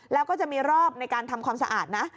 แล้วก็จะมีรอบในการทำความสะอาดนะ